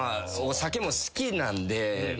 お酒も好きなんで。